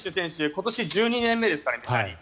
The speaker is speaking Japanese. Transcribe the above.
今年１２年目ですかね。